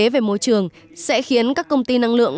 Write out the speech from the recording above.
về môi trường sẽ khiến các công ty năng lượng